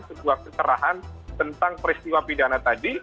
sebuah kecerahan tentang peristiwa pidana tadi